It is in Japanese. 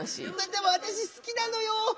でも私好きなのよ。